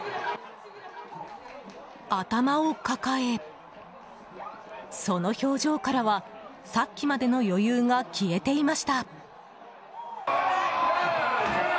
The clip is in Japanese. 頭を抱え、その表情からはさっきまでの余裕が消えていました。